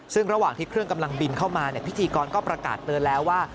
ซึ่งระหว่างที่เครื่องกำลังบินเข้ามาพิธีกรก็ประกาศเตือนแล้วว่า